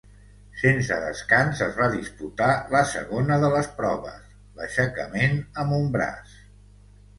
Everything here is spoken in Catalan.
Sense descans es va disputar la segona de les proves, l'aixecament amb un braç.